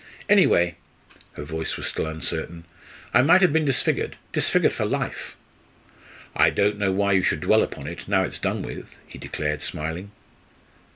"Anyway" her voice was still uncertain "I might have been disfigured disfigured for life!" "I don't know why you should dwell upon it now it's done with," he declared, smiling.